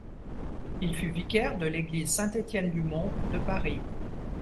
Il fut vicaire de l'église Saint-Étienne-du-Mont de Paris.